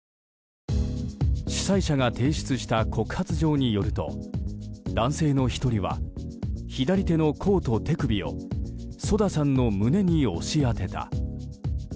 主催者が提出した告発状によると男性の１人は左手の甲と手首をＳＯＤＡさんの胸に押し当てた。